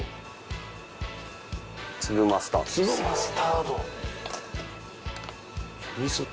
粒マスタードです。